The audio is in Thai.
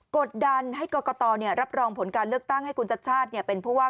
กดดันให้กรกตรับรองผลการเลือกตั้งให้ว่า